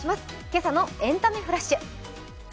今朝のエンタメフラッシュ。